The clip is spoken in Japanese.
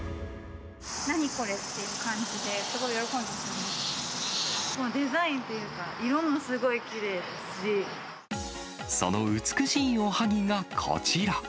何これっていう感じで、デザインというか、色もすごその美しいおはぎがこちら。